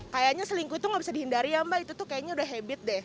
kayaknya selingkuh itu nggak bisa dihindari ya mbak itu tuh kayaknya udah habit deh